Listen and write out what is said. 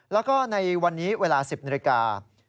แล้วก็ในวันนี้เวลา๑๐นาฬิกา